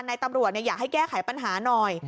ตำรวจอยากให้แก้ไขปัญหาหน่อย